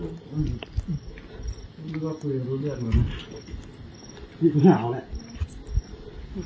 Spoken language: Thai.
เขาเลยจะใช้เสียงได้วันนั้นนะครับ